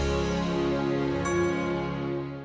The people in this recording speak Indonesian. bagi tangan temanku